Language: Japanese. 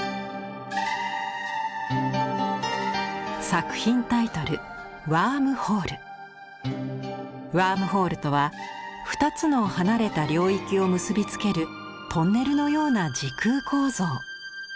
作品タイトルＷＯＲＭＨＯＬＥとは「２つの離れた領域を結び付けるトンネルのような時空構造」。